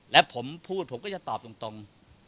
และผมพูดผมก็จะตอบตรง